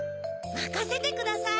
まかせてください。